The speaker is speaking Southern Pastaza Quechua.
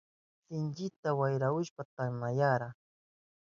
Sinchita wayrahushpan tamyanayan.